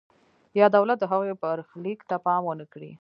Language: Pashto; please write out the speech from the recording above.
یا دولت د هغوی برخلیک ته پام ونکړي.